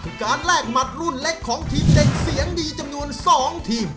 คือการแลกหมัดรุ่นเล็กของทีมเด็กเสียงดีจำนวน๒ทีม